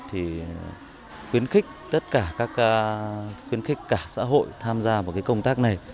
thì khuyến khích tất cả các xã hội tham gia vào công tác này